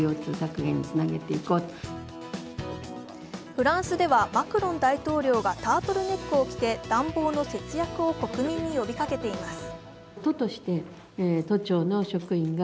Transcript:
フランスではマクロン大統領がタートルネックを着て暖房の節約を国民に呼びかけています。